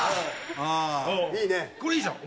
これいいじゃん。